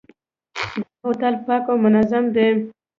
دا هوټل پاک او منظم دی.